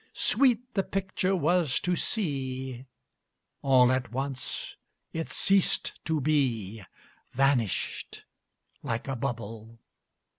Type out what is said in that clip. Sweet the picture was to see; All at once it ceased to be; Vanished like a bubble!